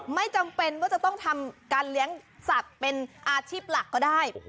ไม่จำเป็นว่าจะต้องทำการเลี้ยงสัตว์เป็นอาชีพหลักก็ได้